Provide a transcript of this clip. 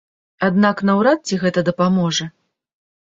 Аднак наўрад ці гэта дапаможа.